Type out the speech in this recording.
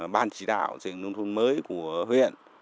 ban chỉ đạo dựng nông thuận mới của huyện